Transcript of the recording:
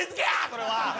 それは。